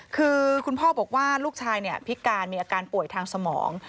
คือคุณพ่อบอกว่าลูกชายพิการมีอาการป่วยทางสมอง